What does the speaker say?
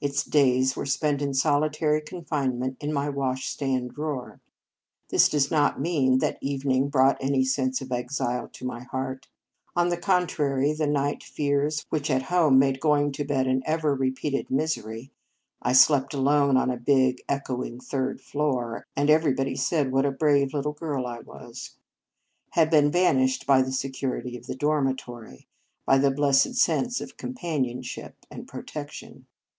Its days were spent in solitary confinement in my washstand drawer. This does not mean that evening brought any sense of exile to my heart. On the contrary, the night fears which at home made going to bed an ever repeated misery (I slept alone on a big, echoing third floor, and every body said what a brave little girl I was) had been banished by the secu rity of the dormitory, by the blessed sense of companionship and protec tion.